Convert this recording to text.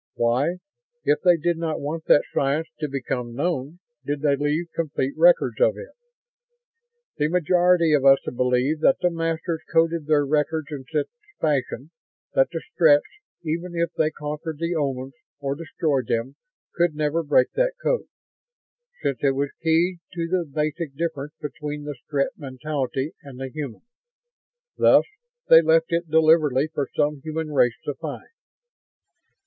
Why, if they did not want that science to become known, did they leave complete records of it? The majority of us believe that the Masters coded their records in such fashion that the Stretts, even if they conquered the Omans or destroyed them, could never break that code; since it was keyed to the basic difference between the Strett mentality and the human. Thus, they left it deliberately for some human race to find.